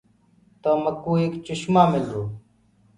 تو مڪوُ ايڪ چشمآݪو ملرو۔